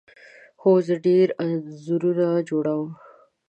هو، زه ډیر انځورونه جوړوم